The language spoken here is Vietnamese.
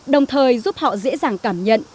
đồng thời giúp họ dễ dàng cảm nhận